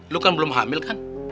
lu kan belum hamil kan